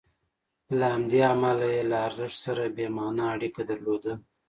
له همدې امله یې له ارزښت سره بې معنا اړیکه درلوده.